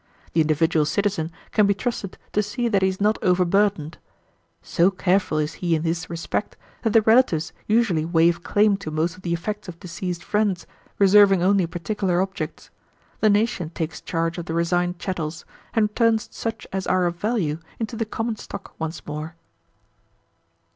The individual citizen can be trusted to see that he is not overburdened. So careful is he in this respect, that the relatives usually waive claim to most of the effects of deceased friends, reserving only particular objects. The nation takes charge of the resigned chattels, and turns such as are of value into the common stock once more."